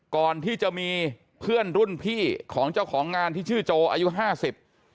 ก่อนที่จะมีเพื่อนรุ่นพี่ของเจ้าของงานที่ชื่อโจอายุห้าสิบ